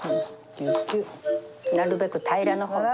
なるべく平らな方がいいよ。